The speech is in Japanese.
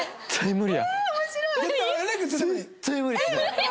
無理？